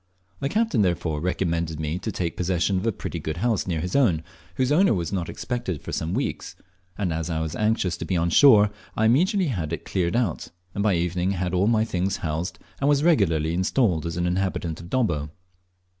The captain, therefore, recommended me to take possession of a pretty good house near his own, whose owner was not expected for some weeks; and as I was anxious to be on shore, I immediately had it cleared out, and by evening had all my things housed, and was regularly installed as an inhabitant of Dobbo.